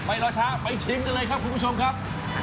เอาล่ะรอช้าไปชิมเลยครับคุณผู้ชมครับ